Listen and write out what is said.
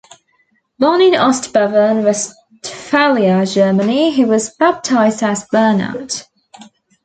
Born in Ostbevern, Westphalia, Germany, he was baptized as Bernard.